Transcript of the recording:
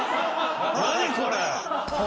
何これ？